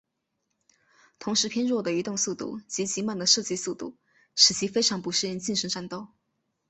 同时偏弱的移动速度及极慢的射击速度使其非常不适应近身战斗。